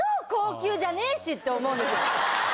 って思うんですよ。